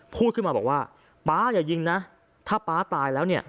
พูดขึ้นมาบอกว่าป๊าอย่ายิงนะถ้าป๊าตายแล้วเนี่ย